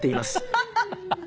ハハハハ。